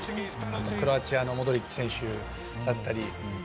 あとクロアチアのモドリッチ選手だったり。